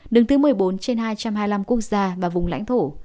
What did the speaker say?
đứng thứ một mươi bốn trên hai trăm hai mươi năm quốc gia và vùng lãnh thổ